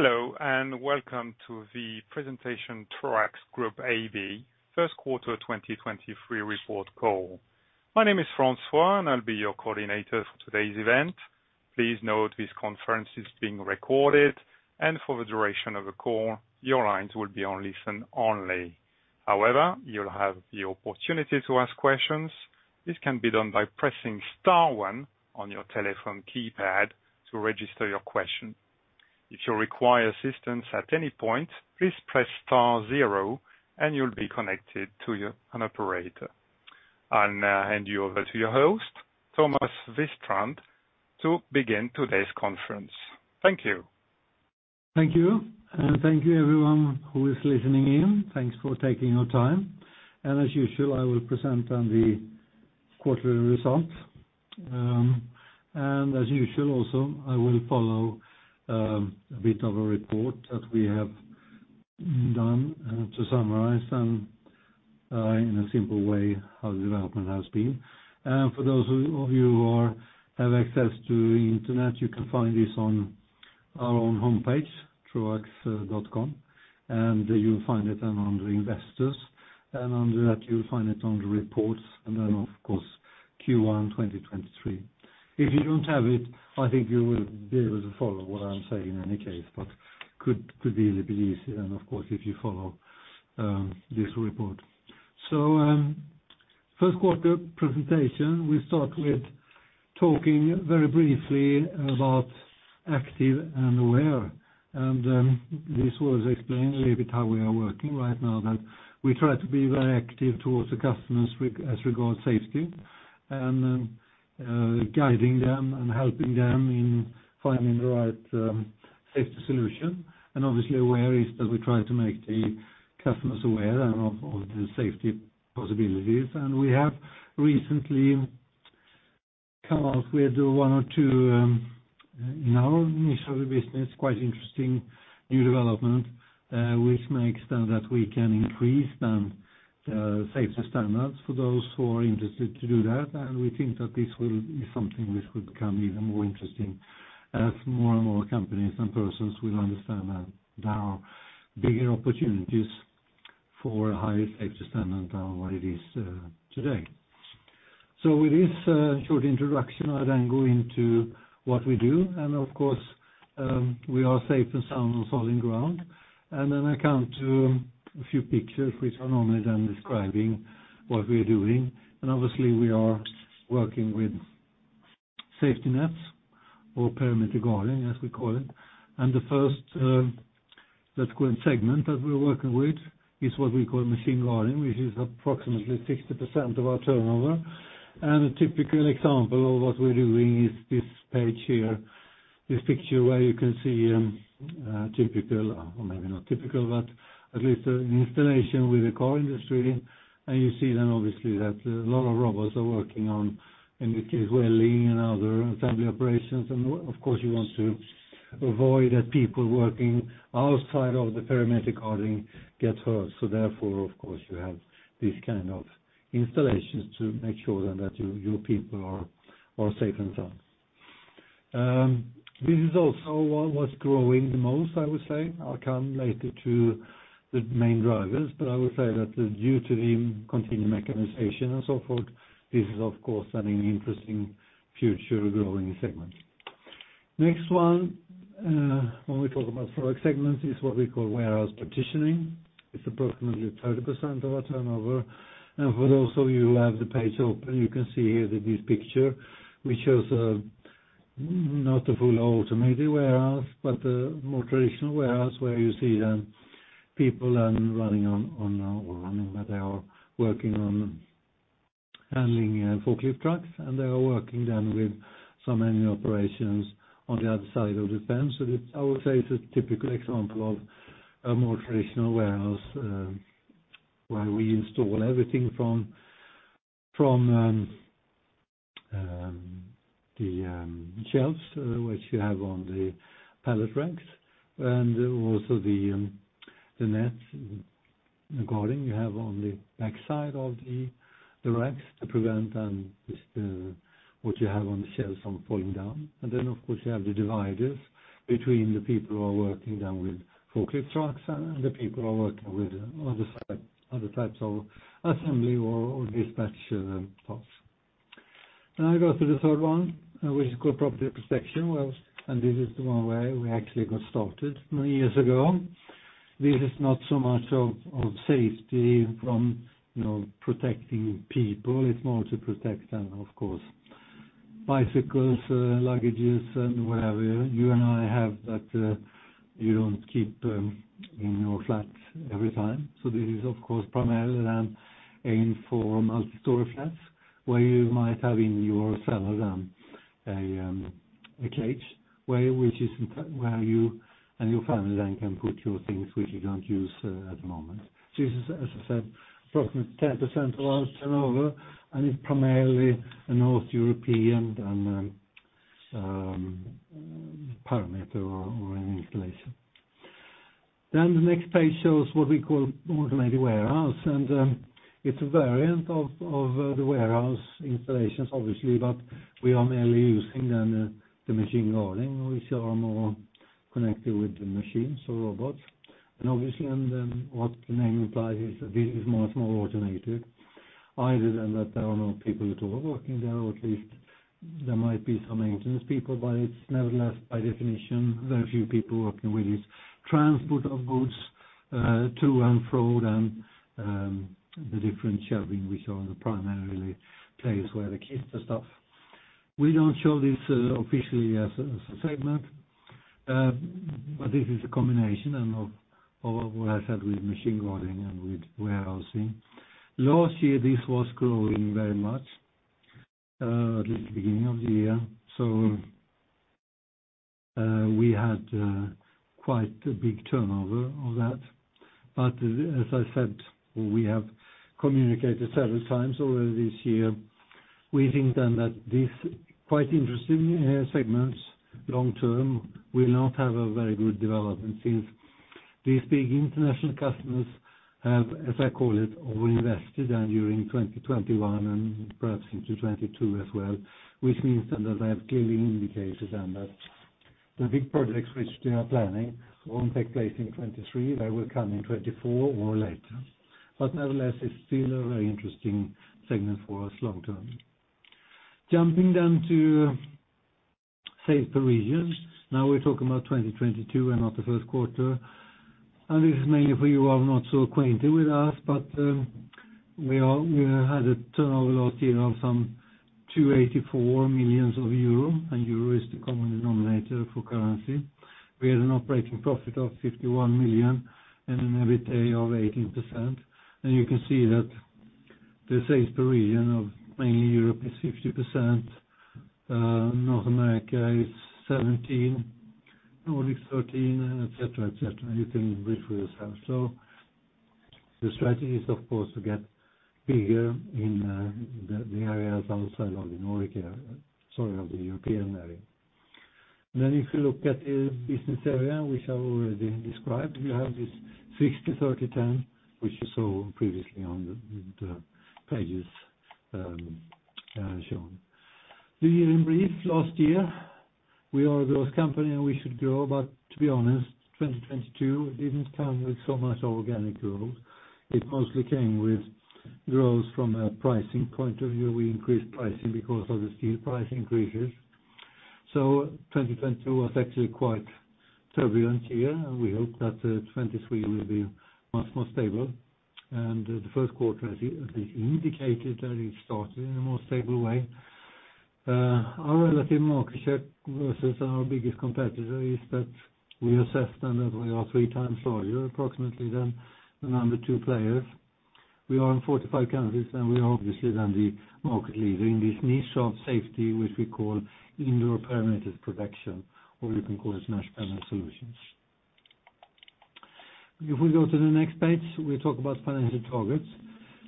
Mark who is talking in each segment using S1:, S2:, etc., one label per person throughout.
S1: Hello, and welcome to the presentation Troax Group AB 1st quarter 2023 report call. My name is Francois, and I'll be your coordinator for today's event. Please note this conference is being recorded, and for the duration of the call, your lines will be on listen only. However, you'll have the opportunity to ask questions. This can be done by pressing star one on your telephone keypad to register your question. If you require assistance at any point, please press star zero, and you'll be connected to an operator. I'll now hand you over to your host, Thomas Widstrand, to begin today's conference. Thank you.
S2: Thank you. Thank you everyone who is listening in. Thanks for taking your time. As usual, I will present on the quarterly results. As usual also, I will follow a bit of a report that we have done to summarize and in a simple way how the development has been. For those of you who have access to the Internet, you can find this on our own homepage, troax.com. You'll find it under Investors, under that, you'll find it under Reports, then, of course, Q1 2023. If you don't have it, I think you will be able to follow what I'm saying in any case, but could easily be easier then, of course, if you follow this report. First quarter presentation, we start with talking very briefly about active and aware. This was explained a little bit how we are working right now, that we try to be very active towards the customers as regard safety, guiding them and helping them in finding the right safety solution. Obviously aware is that we try to make the customers aware and of the safety possibilities. We have recently come out with one or two in our initial business, quite interesting new development, which makes then that we can increase then the safety standards for those who are interested to do that. We think that this will be something which will become even more interesting as more and more companies and persons will understand that there are bigger opportunities for a higher safety standard than what it is today. With this short introduction, I'll go into what we do. Of course, we are safe and sound on solid ground. I come to a few pictures which are normally then describing what we are doing. Obviously, we are working with safety nets or perimeter guarding, as we call it. The first, let's call it segment that we're working with is what we call Machine Guarding, which is approximately 60% of our turnover. A typical example of what we're doing is this page here, this picture where you can see typical, or maybe not typical, but at least an installation with the car industry. You see obviously that a lot of robots are working on, in this case, welding and other assembly operations. Of course, you want to avoid that people working outside of the perimeter guarding get hurt. Therefore, of course, you have these kind of installations to make sure then that your people are safe and sound. This is also what was growing the most, I would say. I'll come later to the main drivers, but I will say that due to the continued mechanization and so forth, this is of course an interesting future growing segment. Next one, when we talk about product segments, is what we call warehouse partitioning. It's approximately 30% of our turnover. For those of you who have the page open, you can see here that this picture, which shows a, not a full Automated Warehouse, but a more traditional warehouse where you see people are running on a, well, running, but they are working on handling forklift trucks, and they are working then with some manual operations on the other side of the fence. This, I would say, is a typical example of a more traditional warehouse, where we install everything from the shelves, which you have on the pallet racks, and also the net guarding you have on the backside of the racks to prevent just what you have on the shelves from falling down. Of course, you have the dividers between the people who are working then with forklift trucks and the people who are working with other types of assembly or dispatch tasks. I go to the third one, which is called Property Protection, and this is the one where we actually got started many years ago. This is not so much of safety from, you know, protecting people. It's more to protect then, of course, bicycles, luggages, and whatever you and I have that you don't keep in your flat every time. This is, of course, primarily then aimed for multi-story flats, where you might have in your cellar a cage which is in turn where you and your family then can put your things which you don't use at the moment. This is, as I said, approximately 10% of our turnover, and it's primarily a North European, and perimeter or an installation. The next page shows what we call Automated Warehouse, and it's a variant of the warehouse installations, obviously, but we are merely using then the machine learning, which are more connected with the machines or robots. What the name implies is that this is much more automated, either than that there are no people at all working there, or at least there might be some maintenance people, but it's nevertheless by definition, very few people working with this transport of goods to and fro, the different shelving, which are the primarily place where they keep the stuff. We don't show this officially as a, as a segment, but this is a combination and of what I said with machine learning and with warehousing. Last year, this was growing very much, at least the beginning of the year. We had quite a big turnover of that. As I said, we have communicated several times already this year, we think then that this quite interesting segments long term will not have a very good development since these big international customers have, as I call it, overinvested during 2021 and perhaps into 2022 as well, which means that they have given indicators and that the big projects which they are planning won't take place in 2023, they will come in 2024 or later. Nevertheless, it's still a very interesting segment for us long term. Jumping to sales per region. Now we're talking about 2022 and not the first quarter. This is mainly for you are not so acquainted with us, but we had a turnover last year of some 284 million euro, and euro is the common denominator for currency. We had an operating profit of 51 million and an EBITDA of 18%. You can see that the sales per region of mainly Europe is 60%, North America is 17%, Nordics 13%, et cetera, et cetera. You can read for yourself. The strategy is, of course, to get bigger in the areas outside of the European area. If you look at the business area, which I already described, you have this 60 30 10, which you saw previously on the pages shown. The year in brief, last year, we are a growth company, and we should grow. To be honest, 2022 didn't come with so much organic growth. It mostly came with growth from a pricing point of view. We increased pricing because of the steel price increases. 2022 was actually quite turbulent year, and we hope that 2023 will be much more stable. The first quarter has indicated that it started in a more stable way. Our relative market share versus our biggest competitor is that we assess them that we are three times larger approximately than the number two players. We are in 45 countries, we are obviously then the market leader in this niche of safety, which we call indoor perimeter protection, or you can call it mesh panel solutions. If we go to the next page, we talk about financial targets.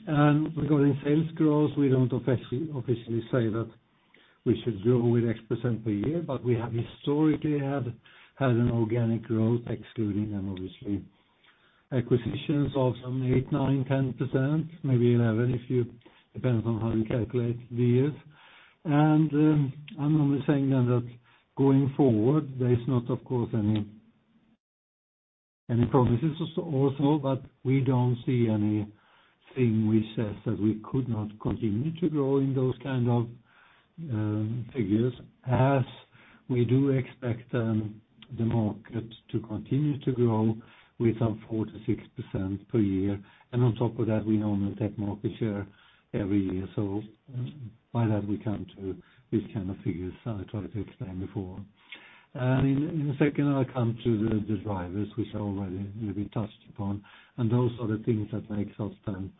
S2: Regarding sales growth, we don't officially say that we should grow with X% per year, but we have historically had an organic growth excluding them, obviously. Acquisitions of some 8%, 9%, 10%, maybe 11 if you depends on how you calculate the years. I'm normally saying then that going forward, there is not, of course, any promises also, but we don't see anything which says that we could not continue to grow in those kind of figures, as we do expect the market to continue to grow with some 4%-6% per year. On top of that, we normally take market share every year. By that, we come to this kind of figures I tried to explain before. In a second, I come to the drivers, which are already really touched upon, and those are the things that makes us then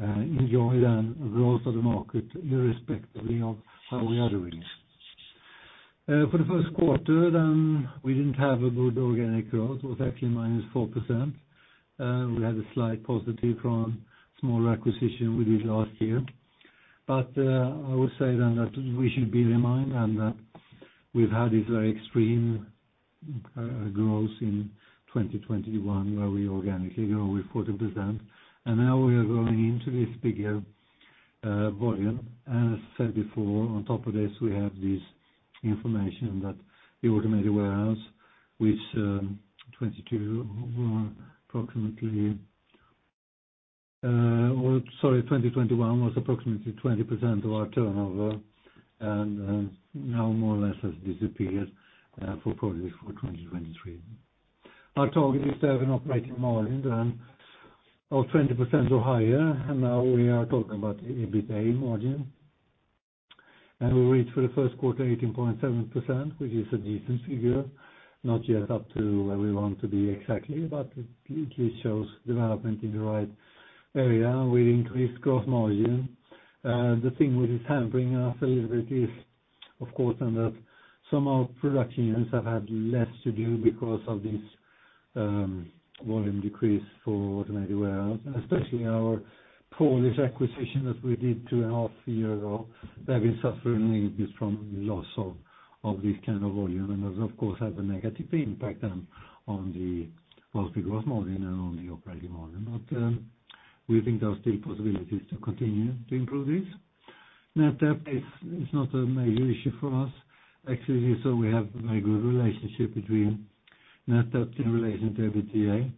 S2: enjoy then growth of the market, irrespectively of how we are doing. For the first quarter then we didn't have a good organic growth. It was actually -4%. We had a slight positive from small acquisition we did last year. I will say then that we should bear in mind and that we've had this very extreme growth in 2021, where we organically grow with 40%. Now we are going into this bigger volume. As said before, on top of this, we have this information that the Automated Warehouse, which 2021 was approximately 20% of our turnover and now more or less has disappeared for probably for 2023. Our target is to have an operating margin of 20% or higher. Now we are talking about EBITA margin. We reach for the first quarter 18.7%, which is a decent figure, not yet up to where we want to be exactly, but it shows development in the right area. We increase gross margin. The thing which is hampering us a little bit is of course, and that some of our production units have had less to do because of this volume decrease for Automated Warehouse, and especially our Polish acquisition that we did 2.5 years ago, they've been suffering a bit from loss of this kind of volume and has, of course, had a negative impact on the, well, the growth margin and on the operating margin. We think there are still possibilities to continue to improve this. Net debt is not a major issue for us actually, so we have a very good relationship between net debt in relation to EBITDA.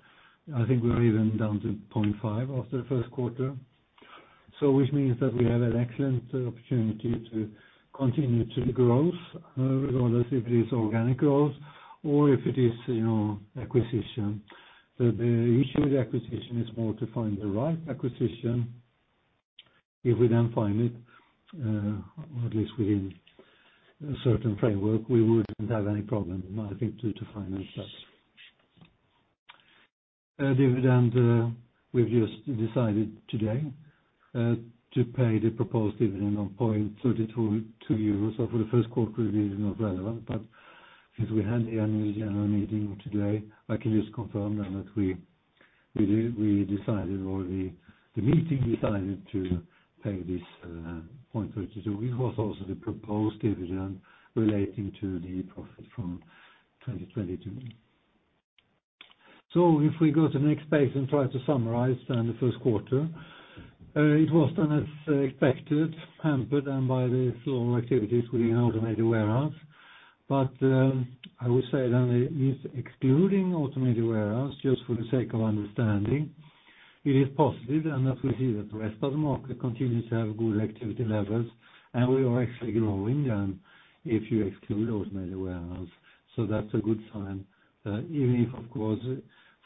S2: I think we're even down to 0.5 after the first quarter. Which means that we have an excellent opportunity to continue to grow, regardless if it is organic growth or if it is, you know, acquisition. The issue with acquisition is more to find the right acquisition. If we don't find it, at least within a certain framework, we wouldn't have any problem, I think, to finance that. Dividend, we've just decided today to pay the proposed dividend of 0.32 euros. For the 1st quarter it is not relevant, but since we had the annual meeting today, I can just confirm that we decided or the meeting decided to pay this 0.32. It was also the proposed dividend relating to the profit from 2022. If we go to the next page and try to summarize then the first quarter, it was then as expected, hampered then by the slow activities within Automated Warehouse. I would say then it is excluding Automated Warehouse, just for the sake of understanding. It is positive, and as we see that the rest of the market continues to have good activity levels, and we are actually growing then if you exclude Automated Warehouse. That's a good sign. Even if, of course,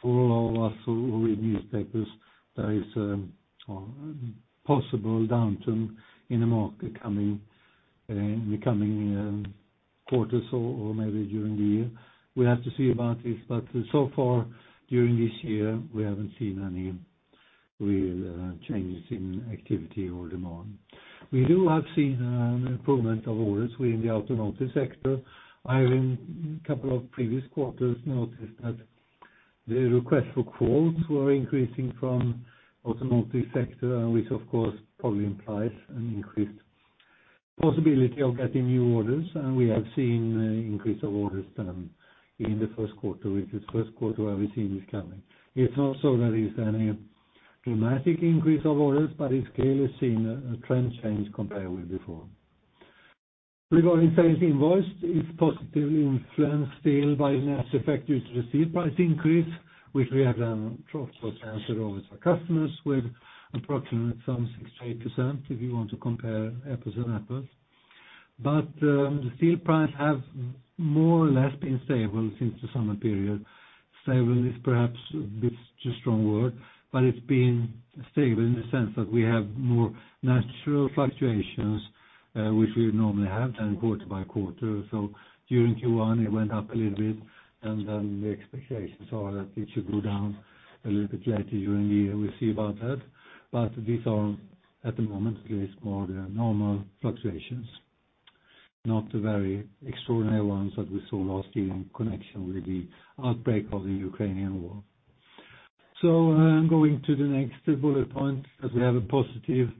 S2: for all of us who read newspapers, there is a, well, possible downturn in the market coming, in the coming, quarters or maybe during the year. So far during this year, we haven't seen any real changes in activity or demand. We do have seen an improvement of orders within the automotive sector. I have in couple of previous quarters noticed that the request for quotes were increasing from automotive sector, which of course probably implies an increased possibility of getting new orders. We have seen increase of orders then in the first quarter, which is first quarter where we've seen this coming. It's not so that it's any dramatic increase of orders, but it clearly seen a trend change compared with before. Regarding sales invoice, it's positively influenced still by an effective received price increase, which we have then transferred over to our customers with approximate some 68%, if you want to compare apples to apples. The steel price have more or less been stable since the summer period. Stable is perhaps bit too strong word, but it's been stable in the sense that we have more natural fluctuations, which we'd normally have then quarter by quarter. During Q1, it went up a little bit, and then the expectations are that it should go down a little bit later during the year. We'll see about that. These are, at the moment, at least more the normal fluctuations, not the very extraordinary ones that we saw last year in connection with the outbreak of the Ukrainian War. Going to the next bullet point, that we have a positive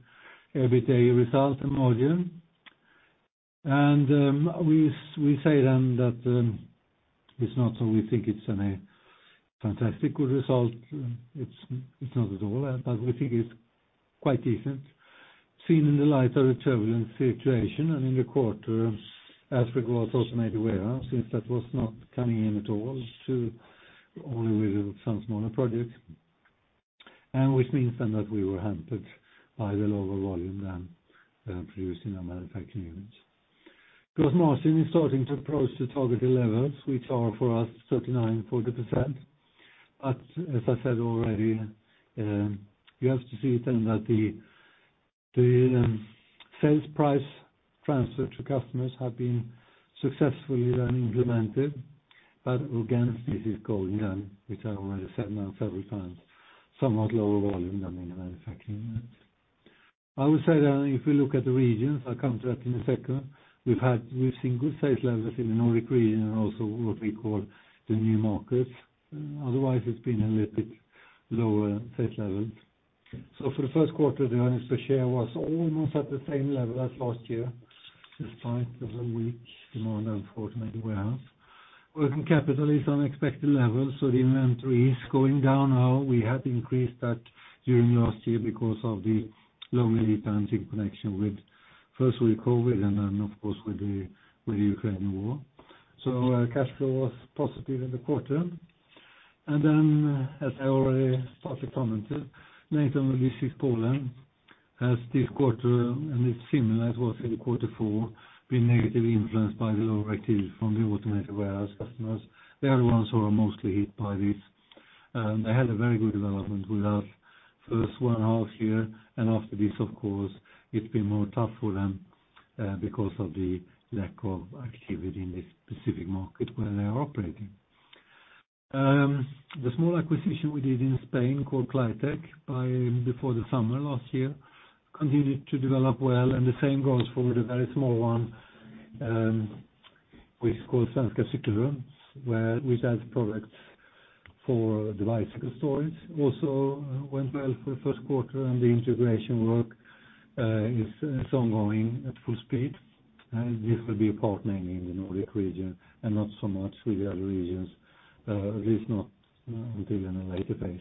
S2: EBITDA result and margin. We say then that it's not so we think it's any fantastic good result. It's not at all, but we think it's quite decent seen in the light of the turbulent situation and in the quarter as regards Automated Warehouse, since that was not coming in at all to only within some smaller projects. Which means then that we were hampered by the lower volume than produced in our manufacturing units. Gross margin is starting to approach the targeted levels, which are for us 39%-40%. As I said already, you have to see it then that the sales price transfer to customers have been successfully then implemented. Again, this is going then, which I already said now several times, somewhat lower volume than in the manufacturing unit. I would say then if we look at the regions, I come to that in a second, we've seen good sales levels in the Nordic region and also what we call the new markets. Otherwise, it's been a little bit lower sales levels. For the first quarter, the earnings per share was almost at the same level as last year, despite of the weak demand for Automated Warehouse. Working capital is on expected levels, the inventory is going down now. We had increased that during last year because of the long lead times in connection with first with COVID and then of course with the Ukrainian war. Cash flow was positive in the quarter. As I already started commenting, Natom will be seen in Poland as this quarter. It's similar as was in the quarter four, being negatively influenced by the lower activity from the Automated Warehouse customers. They are the ones who are mostly hit by this. They had a very good development with us first one half year. After this, of course, it's been more tough for them because of the lack of activity in this specific market where they are operating. The small acquisition we did in Spain called Claitec before the summer last year continued to develop well. The same goes for the very small one, which is called Svenska Cykelrum, which has products for the bicycle storage, also went well for the first quarter. The integration work is ongoing at full speed. This will be a partnering in the Nordic region and not so much with the other regions, at least not until in a later phase.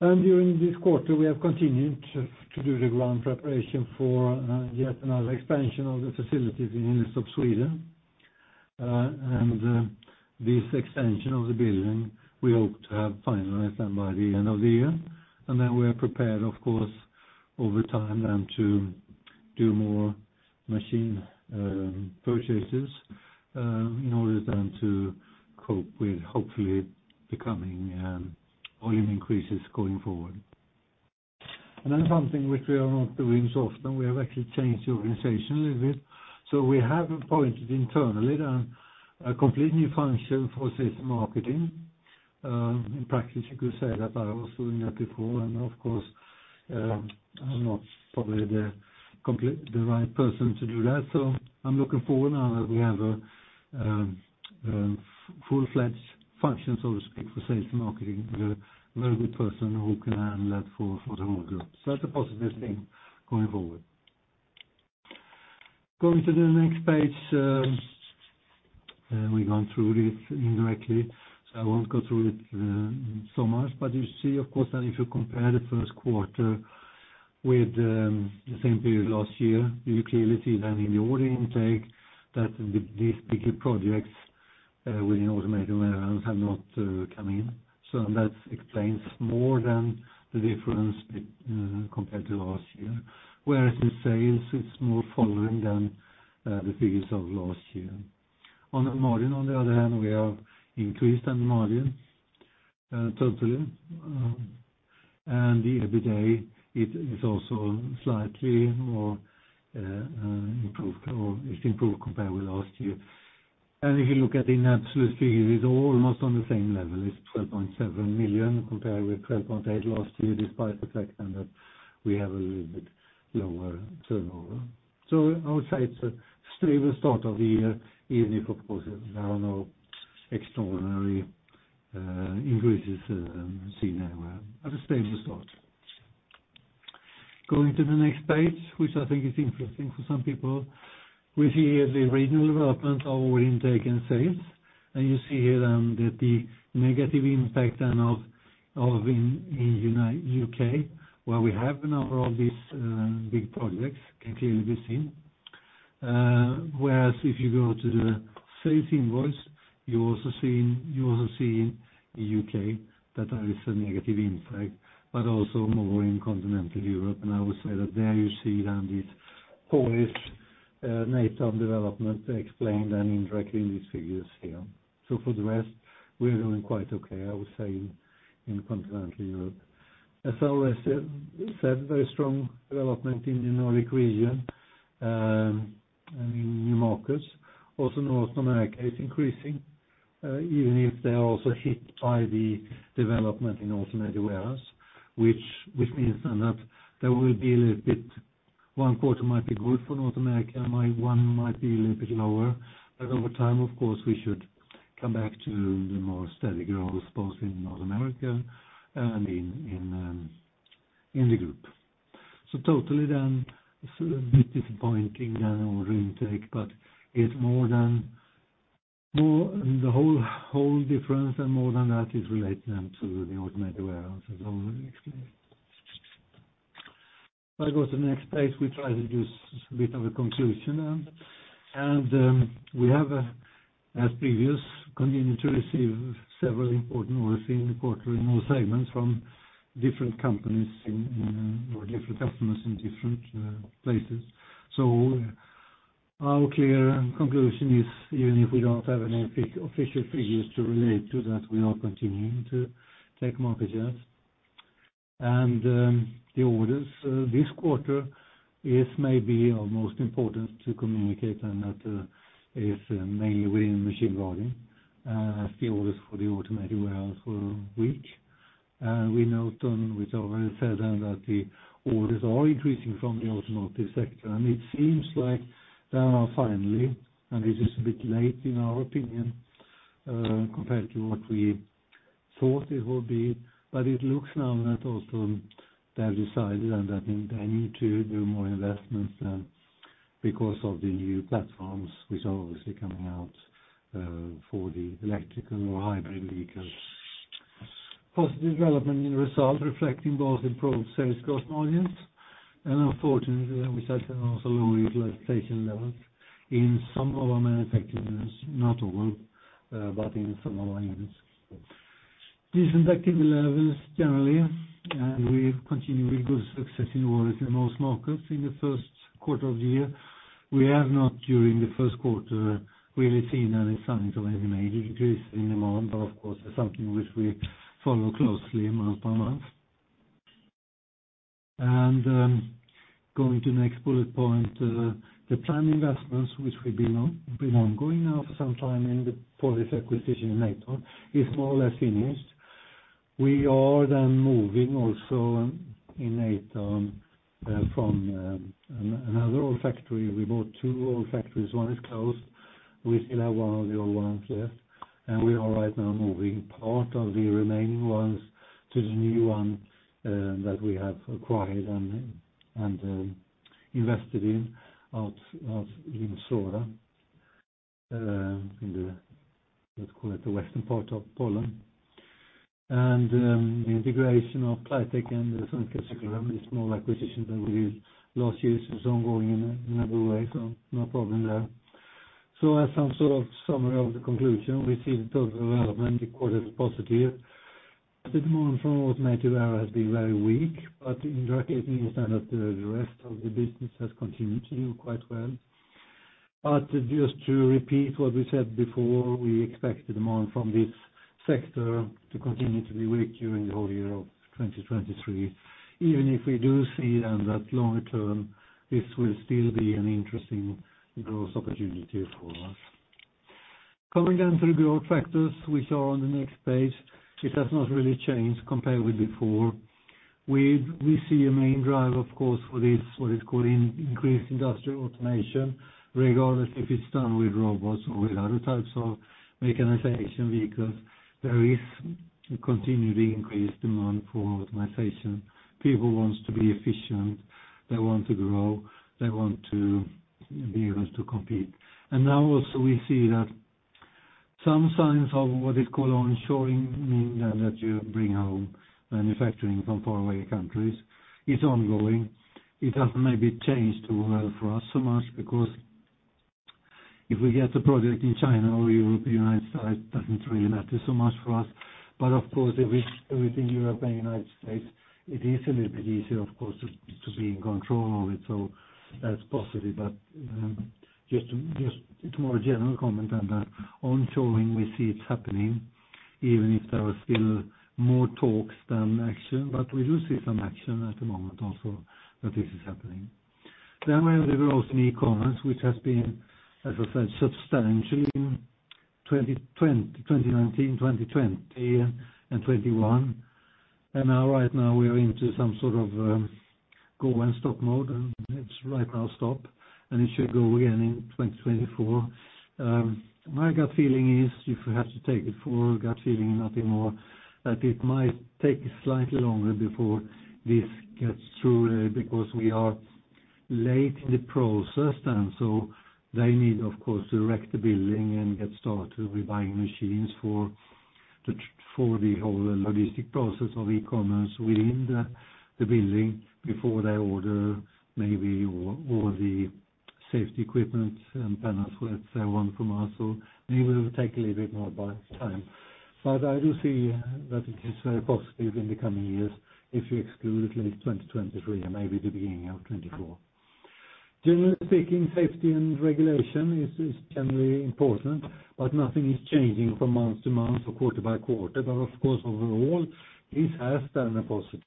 S2: During this quarter, we have continued to do the ground preparation for yet another expansion of the facility in the east of Sweden. This extension of the building, we hope to have finalized them by the end of the year. We are prepared, of course, over time then to do more machine purchases in order then to cope with hopefully becoming volume increases going forward. Something which we are not doing so often, we have actually changed the organization a little bit. We have appointed internally then a complete new function for sales marketing. In practice, you could say that I was doing that before, and of course, I'm not probably the right person to do that. I'm looking forward now that we have a full-fledged function, so to speak, for sales and marketing. We have a very good person who can handle that for the whole group. That's a positive thing going forward. Going to the next page, we've gone through this indirectly, so I won't go through it so much. You see, of course, that if you compare the first quarter with the same period last year, you clearly see then in the order intake that these bigger projects within Automated Warehouse have not come in. That explains more than the difference compared to last year. The sales, it's more following than the figures of last year. On the margin, on the other hand, we have increased the margin totally. The EBITDA, it's also slightly more improved or it's improved compared with last year. If you look at in absolute figures, it's almost on the same level. It's 12.7 million compared with 12.8 million last year, despite the fact that we have a little bit lower turnover. I would say it's a stable start of the year, even if, of course, there are no extraordinary increases seen anywhere. A stable start. Going to the next page, which I think is interesting for some people. We see here the regional development of order intake and sales. You see here that the negative impact of in the U.K., where we have a number of these big projects, can clearly be seen. Whereas if you go to the sales invoice, you also see in the U.K. that there is a negative impact, but also more in continental Europe. I would say that there you see then this Polish Natom development explained then indirectly in these figures here. For the rest, we're doing quite okay, I would say, in continental Europe. As always said, we've had very strong development in the Nordic region, and in new markets. Also North America is increasing, even if they are also hit by the development in Automated Warehouse, which means then that there will be a little bit, one quarter might be good for North America, one might be a little bit lower. Over time, of course, we should come back to the more steady growth, both in North America and in the group. Totally then, it's a little bit disappointing then order intake, but it's more than... The whole difference and more than that is related to the Automated Warehouse, as I've already explained. If I go to the next page, we try to give a bit of a conclusion. We have, as previous, continued to receive several important orders in the quarter in all segments from different companies or different customers in different places. Our clear conclusion is even if we don't have any official figures to relate to that, we are continuing to take market shares. The orders this quarter is maybe our most important to communicate, and that is mainly within Machine Guarding, as the orders for the Automated Warehouse were weak. We note, which I've already said then, that the orders are increasing from the automotive sector. It seems like they are finally, and this is a bit late in our opinion, compared to what we thought it would be. It looks now that also they've decided and that they need to do more investments then because of the new platforms, which are obviously coming out for the electrical or hybrid vehicles. Positive development in result, reflecting both improved sales cost margins, and unfortunately, we've had also lower utilization levels in some of our manufacturing units, not all, but in some of our units. Decent activity levels generally, and we've continued with good success in orders in most markets in the first quarter of the year. We have not, during the first quarter, really seen any signs of any major increase in amount. Of course, that's something which we follow closely month by month. Going to the next bullet point, the planned investments, which have been ongoing now for some time and for this acquisition in Natom, is more or less finished. We are then moving also in Natom, from another old factory. We bought two old factories. One is closed. We still have one of the old ones left. We are right now moving part of the remaining ones to the new one that we have acquired and invested in Sora, in the, let's call it the western part of Poland. The integration of Claitec and the Svenska Cykelrum, the small acquisitions that we did last year, is ongoing in every way, so no problem there. As some sort of summary of the conclusion, we see the total development because it's positive. A bit more and more automated era has been very weak. In retrospect, the rest of the business has continued to do quite well. Just to repeat what we said before, we expect the demand from this sector to continue to be weak during the whole year of 2023, even if we do see then that longer term, this will still be an interesting growth opportunity for us. Coming down to the growth factors which are on the next page, it has not really changed compared with before. We see a main drive, of course, for this, what is called increased industrial automation, regardless if it's done with robots or with other types of mechanization, because there is a continuing increased demand for automation. People wants to be efficient, they want to grow, they want to be able to compete. Now also we see that some signs of what is called onshoring, meaning that you bring home manufacturing from faraway countries, is ongoing. It has maybe changed well for us so much because if we get a project in China or European, United States, doesn't really matter so much for us. Of course, if it's within Europe and United States, it is a little bit easier, of course, to be in control of it. That's positive. Just it's more a general comment than that. Onshoring, we see it's happening even if there are still more talks than action. We do see some action at the moment also that this is happening. We have the growth in e-commerce, which has been, as I said, substantial in 2019, 2020, and 2021. Now, right now, we are into some sort of go and stop mode, and it's right now stop, and it should go again in 2024. My gut feeling is if you have to take it for a gut feeling, nothing more, that it might take slightly longer before this gets through because we are late in the process then. They need, of course, to erect the building and get started with buying machines for the, for the whole logistic process of e-commerce within the building before they order maybe or the safety equipment and panels, let's say, one from us. It will take a little bit more by time. I do see that it is very positive in the coming years, if you exclude at least 2023 and maybe the beginning of 2024. Generally speaking, safety and regulation is generally important. Nothing is changing from month to month or quarter by quarter. Of course, overall, this has been a positive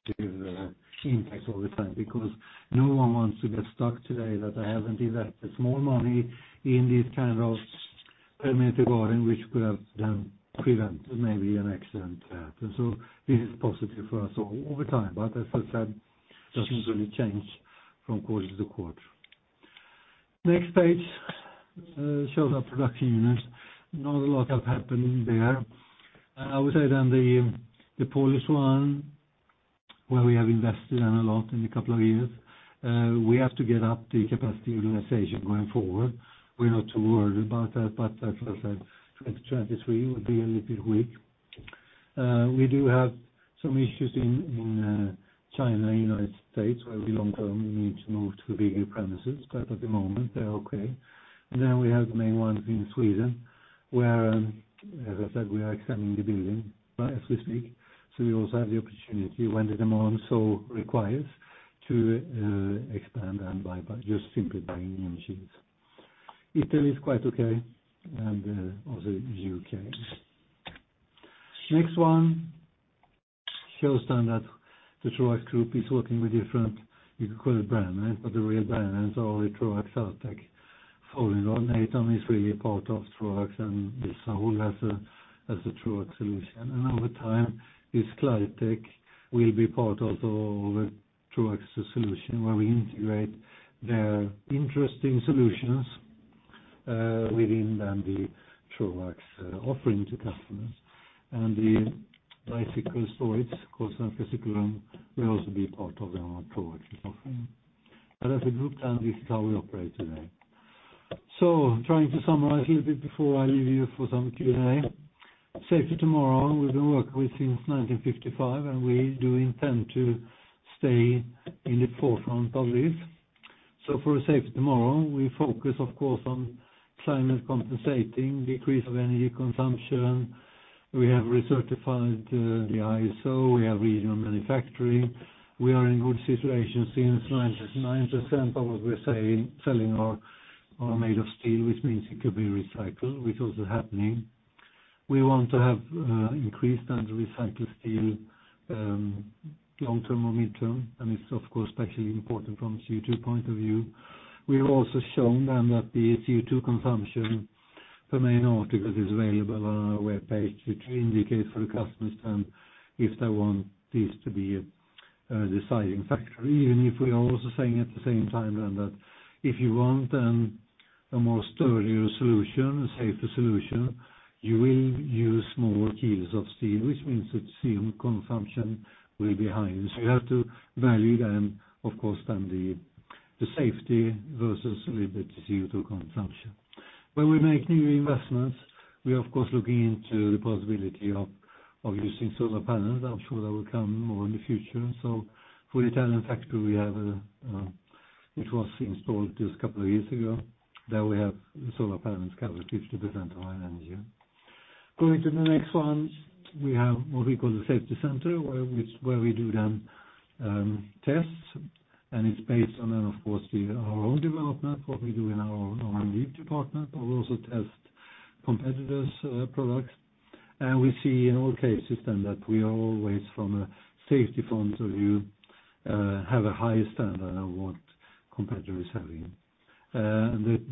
S2: impact over time because no one wants to get stuck today that I haven't invested small money in this kind of perimeter guarding, which could have then prevented maybe an accident to happen. This is positive for us over time. As I said, doesn't really change from quarter to quarter. Next page shows our production units. Not a lot have happened there. I would say then the Polish one, where we have invested a lot in a couple of years, we have to get up the capacity utilization going forward. We're not too worried about that. As I said, 2023 will be a little bit weak. We do have some issues in China, United States, where we long term need to move to bigger premises. At the moment they're okay. We have the main ones in Sweden, where, as I said, we are extending the building as we speak. We also have the opportunity when the demand so requires to expand and buy back, just simply buying machines. Italy is quite okay. Also U.K. Next one shows that the Troax Group is working with different, you could call it brand, right? The real brands are Troax Satech, Folding. Natom is really a part of Troax and they sold as a Troax solution. Over time, this Claitec will be part also of a Troax solution where we integrate their interesting solutions within the Troax offering to customers. The bicycle storage, of course, and Svenska Cykelrum will also be part of the Troax offering. As a group, and this is how we operate today. Trying to summarize a little bit before I leave you for some Q&A. Safety tomorrow, we've been working with since 1955, and we do intend to stay in the forefront of this. For safety tomorrow, we focus of course, on climate compensating, decrease of energy consumption. We have recertified the ISO, we have regional manufacturing. We are in good situation since 90% of what we're selling are made of steel, which means it could be recycled, which is happening. We want to have increased and recycled steel long-term or midterm, and it's of course, especially important from CO2 point of view. We have also shown them that the CO2 consumption for main articles is available on our webpage, which indicates for the customers then if they want this to be a deciding factor, even if we are also saying at the same time then that if you want then a more sturdier solution, a safer solution, you will use more kilos of steel, which means that steel consumption will be high. You have to value then, of course, then the safety versus a little bit CO2 consumption. When we make new investments, we are of course looking into the possibility of using solar panels. I'm sure that will come more in the future. For Italian factory, we have it was installed just a couple of years ago, that we have solar panels cover 50% of our energy. Going to the next one, we have what we call the Safety Center, where we do then tests, and it's based on then, of course, our own development, what we do in our R&D department, but we also test competitors' products. We see in all cases then that we are always from a safety point of view, have a higher standard of what competitor is having.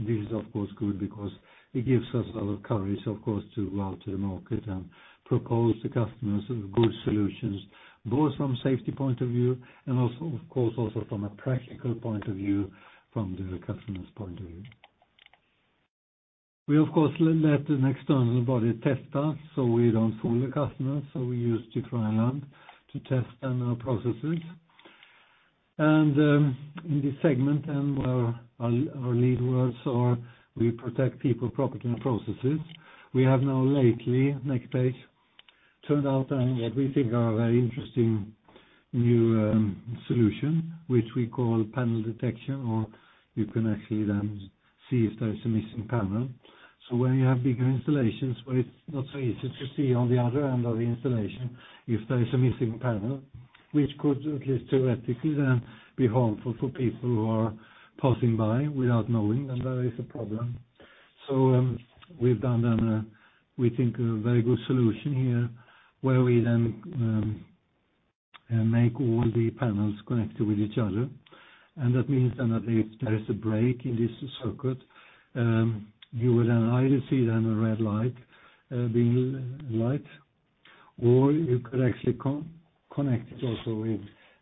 S2: This is of course good because it gives us a lot of courage, of course, to go out to the market and propose to customers good solutions, both from safety point of view and also of course also from a practical point of view from the customer's point of view. We of course let an external body test us, so we don't fool the customers, so we use DEKRA lab to test then our processes. In this segment and where our lead words are we protect people, property, and processes. We have now lately, next page, turned out what we think are very interesting new solution, which we call Panel Detection, or you can actually then see if there's a missing panel. When you have bigger installations where it's not so easy to see on the other end of the installation if there is a missing panel, which could at least theoretically then be harmful for people who are passing by without knowing that there is a problem. We've done then, we think a very good solution here, where we then make all the panels connected with each other. That means then that if there is a break in this circuit, you will then either see then a red light being light, or you could actually connect it also with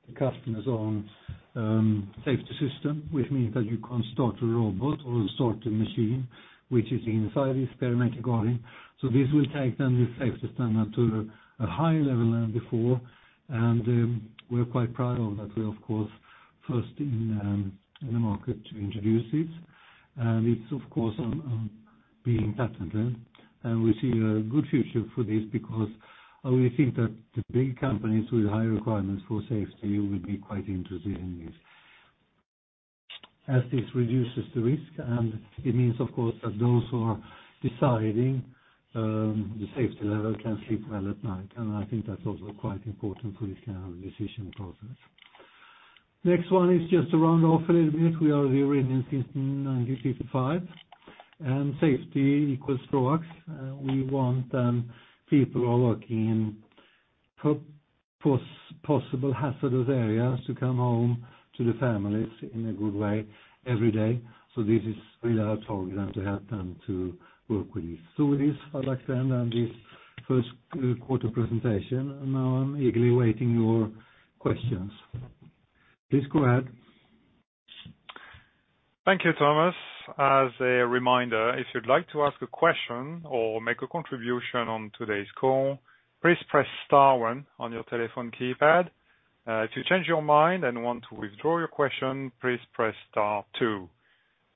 S2: the customer's own safety system, which means that you can't start a robot or start a machine which is inside this perimeter guarding. This will take then the safety standard to a higher level than before. We're quite proud of that. We're of course, first in the market to introduce this. It's of course, being patented. We see a good future for this because, we think that the big companies with high requirements for safety will be quite interested in this. As this reduces the risk, and it means, of course, that those who are deciding, the safety level can sleep well at night. I think that's also quite important for this kind of decision process. Next one is just to round off a little bit. We are ready since 1955, and safety equals products. We want then people who are working in possible hazardous areas to come home to the families in a good way every day. This is really our target and to help them to work with this. With this, I'd like to end then this first quarter presentation, and now I'm eagerly awaiting your questions. Please go ahead.
S1: Thank you, Thomas. As a reminder, if you'd like to ask a question or make a contribution on today's call, please press star one on your telephone keypad. If you change your mind and want to withdraw your question, please press star two.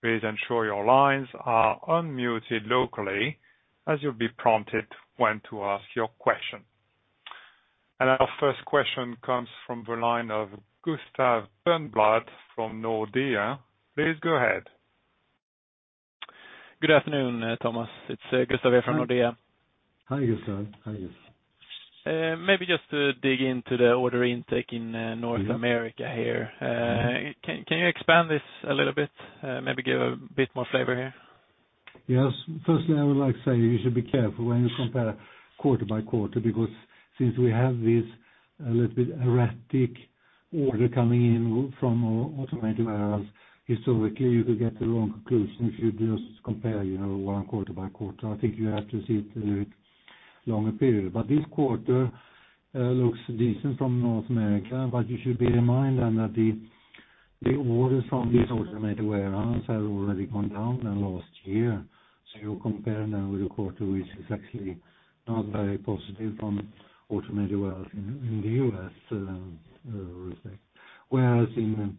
S1: Please ensure your lines are unmuted locally as you'll be prompted when to ask your question. Our first question comes from the line of Gustav Berneblad from Nordea. Please go ahead.
S3: Good afternoon, Thomas. It's Gustav from Nordea.
S2: Hi, Gustav. How are you?
S3: Maybe just to dig into the order intake in North America here. Can you expand this a little bit? Maybe give a bit more flavor here.
S2: Yes. Firstly, I would like to say you should be careful when you compare quarter by quarter, because since we have this a little bit erratic order coming in from our Automated Warehouse, historically, you could get the wrong conclusion if you just compare, you know, one quarter by quarter. I think you have to see it through longer period. This quarter looks decent from North America, but you should bear in mind then that the orders from these Automated Warehouse have already gone down than last year. You compare now with a quarter which is actually not very positive from Automated Warehouse in the U.S. respect. Whereas in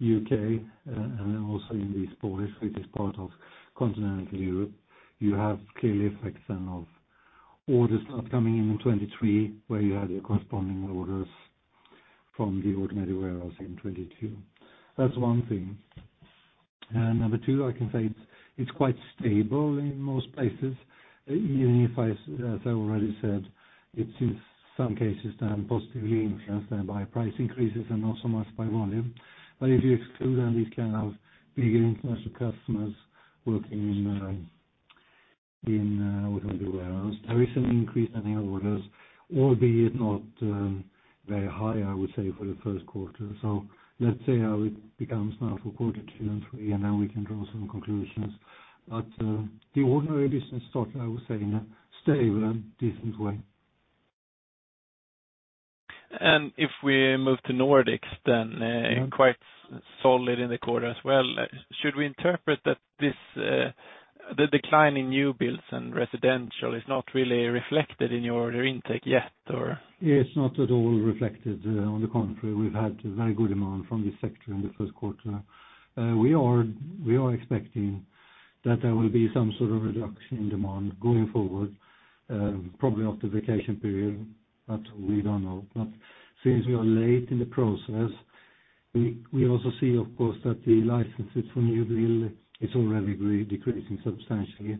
S2: U.K., and also in Poland, which is part of continental Europe, you have clearly effects then of orders upcoming in 2023, where you had your corresponding orders from the Automated Warehouse in 2022. That's one thing. Number two, I can say it's quite stable in most places, even if as I already said, it's in some cases then positively influenced then by price increases and not so much by volume. If you exclude then these kind of bigger international customers working in in Automated Warehouse, there is an increase in the orders, albeit not very high, I would say, for the first quarter. Let's see how it becomes now for quarter two and three, then we can draw some conclusions. The ordinary business start, I would say, in a stable and decent way.
S3: If we move to Nordics, quite solid in the quarter as well. Should we interpret that this, the decline in new builds and residential is not really reflected in your order intake yet, or?
S2: It's not at all reflected, on the contrary, we've had very good demand from this sector in the first quarter. We are expecting that there will be some sort of reduction in demand going forward, probably after vacation period. We don't know. Since we are late in the process, we also see of course that the licenses for new build is already re-decreasing substantially.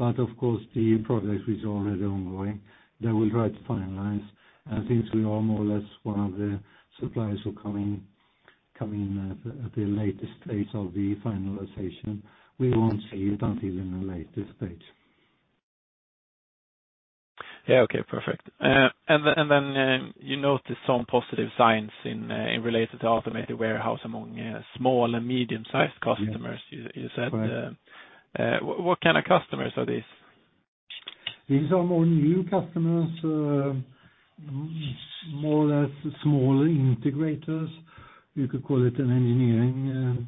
S2: Of course, the projects which are already ongoing, they will try to finalize. Since we are more or less one of the suppliers who are coming at the latest stage of the finalization, we won't see it until in a later stage.
S3: Yeah. Okay, perfect. Then you noticed some positive signs in related to Automated Warehouse among small and medium sized customers.
S2: Yeah.
S3: You said.
S2: Right.
S3: What kind of customers are these?
S2: These are more new customers, more or less smaller integrators. You could call it an engineering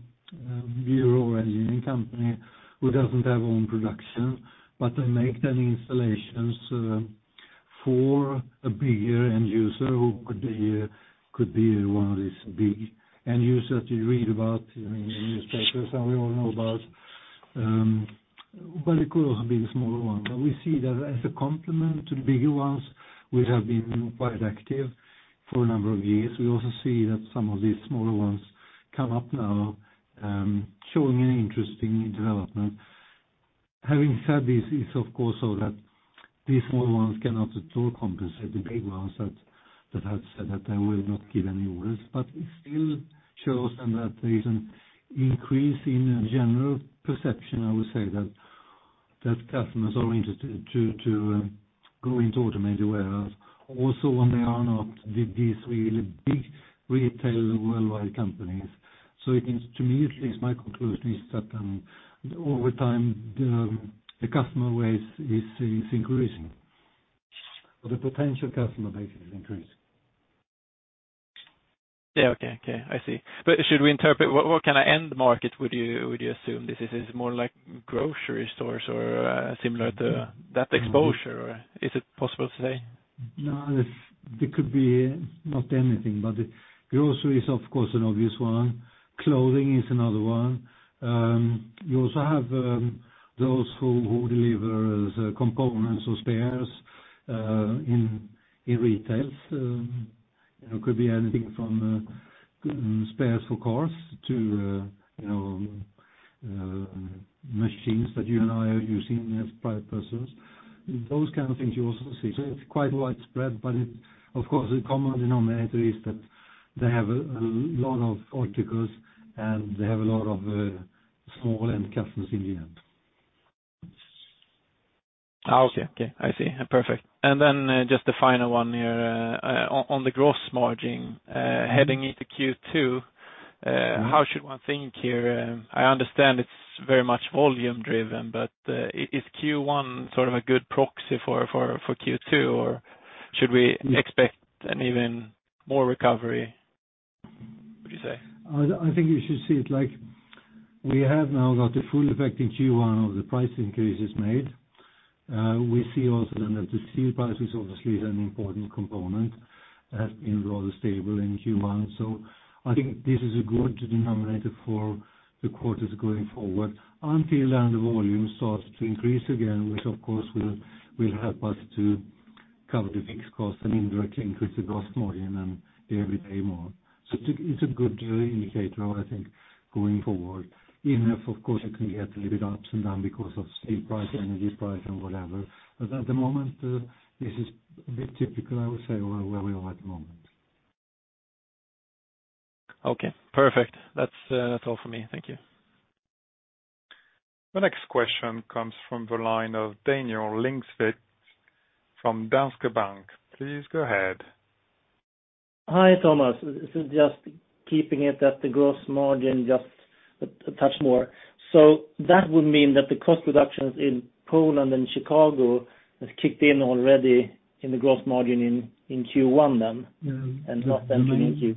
S2: bureau engineering company who doesn't have own production, but they make the installations for a bigger end user who could be one of these big end users you read about in newspapers and we all know about. It could also be the smaller one. We see that as a complement to the bigger ones, we have been quite active for a number of years. We also see that some of these smaller ones come up now, showing an interesting development. Having said this is of course, so that these small ones cannot at all compensate the big ones that have said that they will not give any orders. It still shows them that there is an increase in general perception, I would say that, customers are interested to go into Automated Warehouse also when they are not these really big retail worldwide companies. It is, to me, it is my conclusion is that over time, the customer base is increasing or the potential customer base is increasing.
S3: Yeah. Okay. Okay. I see. Should we interpret what kind of end market would you assume this is? More like grocery stores or similar to that exposure, or is it possible to say?
S2: No, it's they could be not anything but grocery is of course an obvious one. Clothing is another one. You also have those who deliver the components or spares in retails. You know, could be anything from spares for cars to, you know, machines that you and I are using as private persons. Those kind of things you also see. It's quite widespread, but it's of course the common denominator is that they have a lot of articles and they have a lot of small end customers in the end.
S3: Okay. Okay. I see. Perfect. Then just the final one here, on the gross margin, heading into Q2, how should one think here? I understand it's very much volume driven, but, is Q1 sort of a good proxy for Q2, or should we expect an even more recovery, would you say?
S2: I think you should see it like we have now got the full effect in Q1 of the price increases made. We see also that the steel prices obviously is an important component, has been rather stable in Q1. I think this is a good denominator for the quarters going forward until then the volume starts to increase again, which of course will help us to cover the fixed cost and indirectly increase the gross margin and every day more. It's a good indicator I think, going forward, even if of course it can get a little bit ups and down because of steel price, energy price and whatever. At the moment, this is a bit typical, I would say, where we are at the moment.
S3: Okay, perfect. That's, that's all for me. Thank you.
S1: The next question comes from the line of Daniel Lindkvist from Danske Bank. Please go ahead.
S4: Hi, Thomas. This is just keeping it at the gross margin, just a touch more. That would mean that the cost reductions in Poland and Chicago has kicked in already in the gross margin in Q1.
S2: Yeah.
S4: not then in.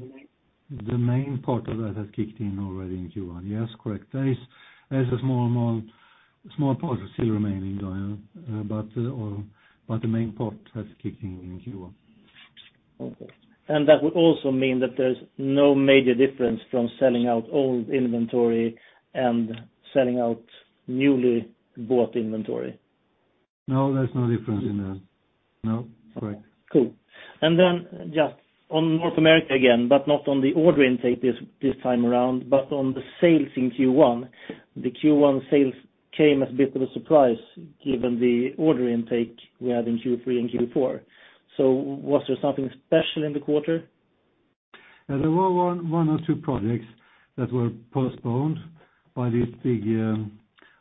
S2: The main part of that has kicked in already in Q1. Yes, correct. There is a small amount, small part still remaining, Daniel, but the main part has kicked in Q1.
S4: Okay. That would also mean that there's no major difference from selling out old inventory and selling out newly bought inventory?
S2: No, there's no difference in that. No. Correct.
S4: Cool. Just on North America again, but not on the order intake this time around. On the sales in Q1, the Q1 sales came as a bit of a surprise given the order intake we had in Q3 and Q4. Was there something special in the quarter?
S2: There were one or two projects that were postponed by these big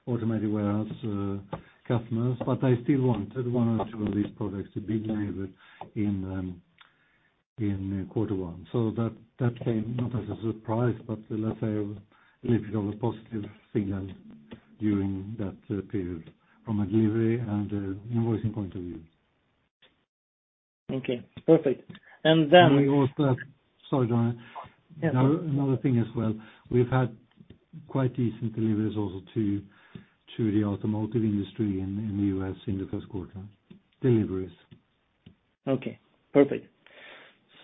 S2: Automated Warehouse customers. I still wanted one or two of these products to be delivered in quarter one. That came not as a surprise, but let's say a little bit of a positive signal during that period from a delivery and invoicing point of view.
S4: Okay, perfect.
S2: Sorry, go on.
S4: Yeah.
S2: Another thing as well, we've had quite decent deliveries also to the automotive industry in the U.S. in the first quarter. Deliveries.
S4: Okay, perfect.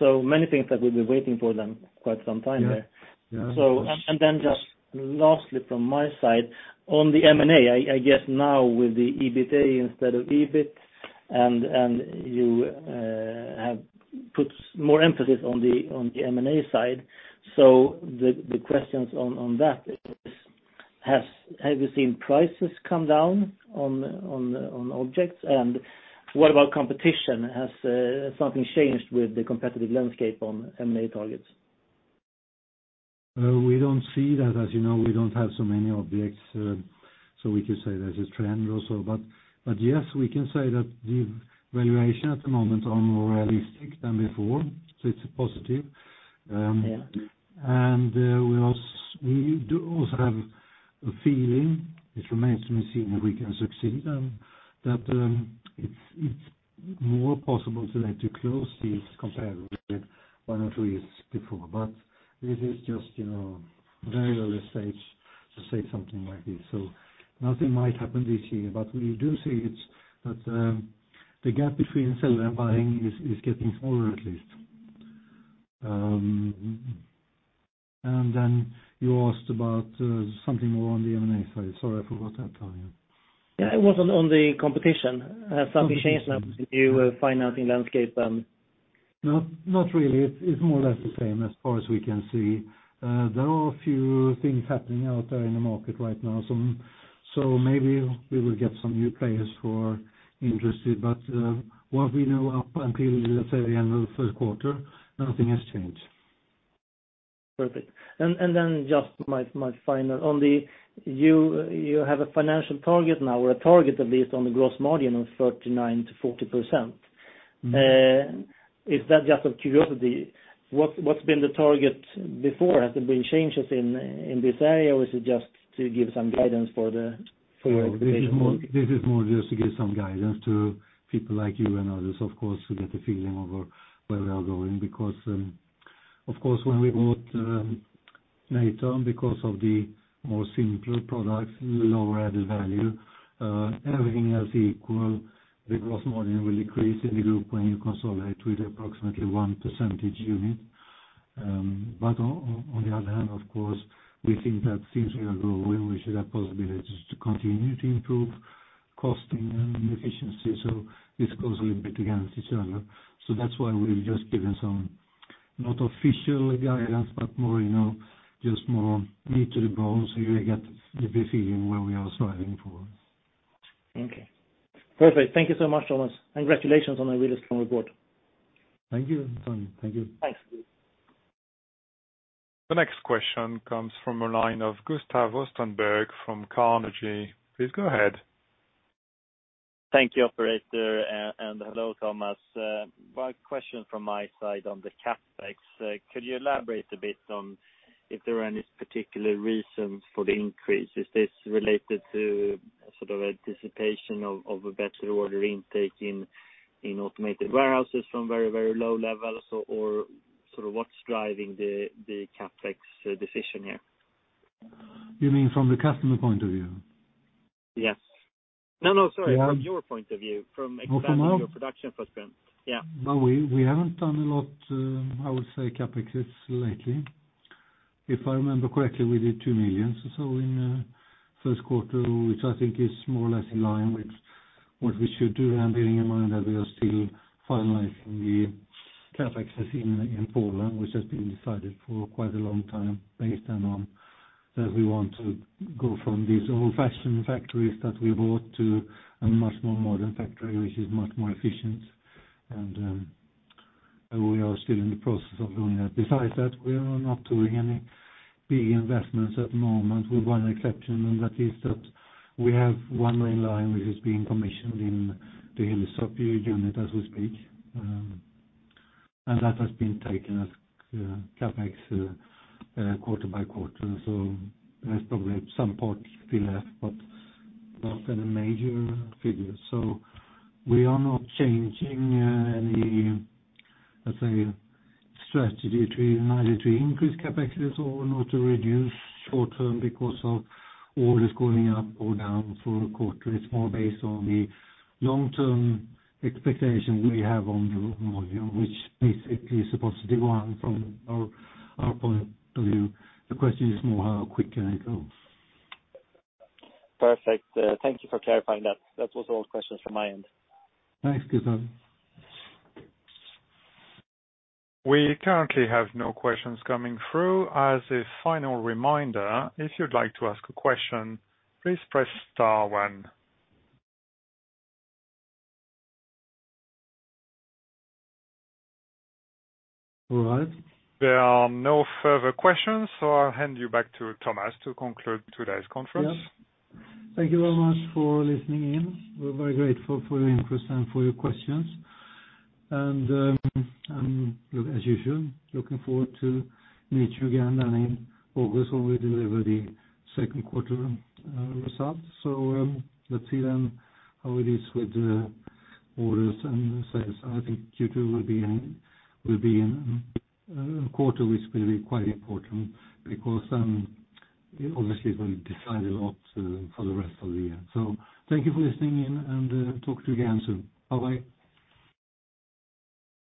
S4: Many things that we've been waiting for then quite some time there.
S2: Yeah. Yeah.
S4: Just lastly from my side on the M&A, I guess now with the EBITA instead of EBIT and you have put more emphasis on the M&A side. The questions on that is, have you seen prices come down on objects? What about competition? Has something changed with the competitive landscape on M&A targets?
S2: We don't see that. You know, we don't have so many objects, so we could say there's a trend also. Yes, we can say that the valuation at the moment are more realistic than before, so it's positive.
S4: Yeah.
S2: We do also have a feeling, it remains to be seen if we can succeed, that it's more possible today to close deals compared with one or two years before. It is just, you know, very early stage to say something like this, so nothing might happen this year. We do see it's, that, the gap between seller and buying is getting smaller at least. You asked about something more on the M&A side. Sorry, I forgot that part, yeah.
S4: Yeah, it was on the competition.
S2: Competition.
S4: Has something changed now with the new financing landscape?
S2: No, not really. It's more or less the same as far as we can see. There are a few things happening out there in the market right now. Maybe we will get some new players who are interested. What we know up until, let's say the end of the first quarter, nothing has changed.
S4: Perfect. Just my final. You have a financial target now, or a target at least on the gross margin of 39%-40%.
S2: Mm-hmm.
S4: Is that just out of curiosity, what's been the target before? Has there been changes in this area, or is it just to give some guidance for your-?
S2: This is more just to give some guidance to people like you and others, of course, to get a feeling of where we are going. Of course, when we bought Natom, because of the more simpler products with lower added value, everything else equal, the gross margin will increase in the group when you consolidate with approximately 1 percentage unit. On the other hand, of course, we think that since we are growing, we should have possibilities to continue to improve costing and efficiency. This goes a little bit against each other. That's why we've just given some, not official guidance, but more, you know, just more meat to the bones, so you get a bit feeling where we are striving for.
S4: Okay. Perfect. Thank you so much, Thomas. Congratulations on a really strong report.
S2: Thank you, Daniel. Thank you.
S4: Thanks.
S1: The next question comes from a line of Gustav Österberg from Carnegie. Please go ahead.
S5: Thank you, operator. Hello, Thomas. One question from my side on the CapEx. Could you elaborate a bit on if there are any particular reasons for the increase? Is this related to sort of anticipation of a better order intake in Automated Warehouses from very, very low levels or sort of what's driving the CapEx decision here?
S2: You mean from the customer point of view?
S5: Yes. No, no, sorry.
S2: Yeah.
S5: From your point of view. From expanding-
S2: Oh, from our-
S5: Your production footprint. Yeah.
S2: No, we haven't done a lot, I would say, CapExes lately. If I remember correctly, we did 2 million or so in first quarter, which I think is more or less in line with what we should do. Bearing in mind that we are still finalizing the CapEx in Poland, which has been decided for quite a long time based on that we want to go from these old-fashioned factories that we bought to a much more modern factory which is much more efficient. We are still in the process of doing that. Besides that, we are not doing any big investments at the moment, with one exception, and that is that we have one main line which is being commissioned in the Hillerstorp unit as we speak, and that has been taken as CapEx quarter by quarter. There's probably some parts still left, but not any major figures. We are not changing any, let's say, strategy to either to increase CapEx or not to reduce short-term because of orders going up or down for a quarter. It's more based on the long-term expectations we have on the volume, which basically is a positive one from our point of view. The question is more how quick can it go.
S5: Perfect. Thank you for clarifying that. That was all the questions from my end.
S2: Thanks, Gustav.
S1: We currently have no questions coming through. As a final reminder, if you'd like to ask a question, please press star one.
S2: All right.
S1: There are no further questions, so I'll hand you back to Thomas to conclude today's conference.
S2: Yeah. Thank you very much for listening in. We're very grateful for your interest and for your questions. Look, as usual, looking forward to meet you again then in August when we deliver the second quarter results. Let's see then how it is with the orders and sales. I think Q2 will be a quarter which will be quite important because obviously it will decide a lot for the rest of the year. Thank you for listening in and talk to you again soon. Bye-bye.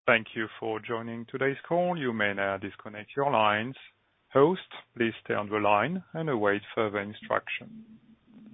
S1: Thank you for joining today's call. You may now disconnect your lines. Host, please stay on the line and await further instruction.